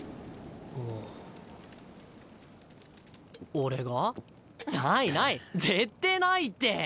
俺が？ないないぜってぇないって。